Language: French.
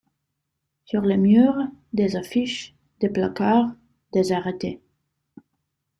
Sur les murs, des affiches, des placards, des arrêtés.